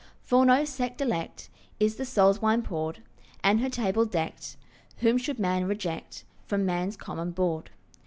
For no sect elect Is the soul's wine poured And her table decked; Whom should man reject From man's common board?